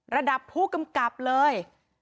ระดับผู้กำกับเลย